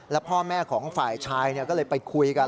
แล้วพ่อแม่ของฝ่ายชายก็เลยไปคุยกัน